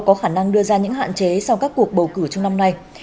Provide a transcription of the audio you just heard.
có khả năng đưa ra những hạn chế sau các cuộc bầu cử trong năm nay